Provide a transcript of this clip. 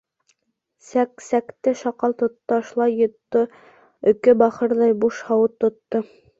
Сәксәкте шакал тотошлай йотто, Өкө бахырҡай буш һауыт тотто.